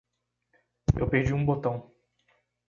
Eu perdi um botão!